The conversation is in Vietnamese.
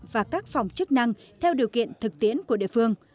và các phòng chức năng theo điều kiện thực tiễn của địa phương